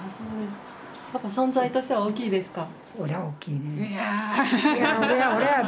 存在としては大きいですか？